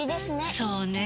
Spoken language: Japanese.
そうねぇ。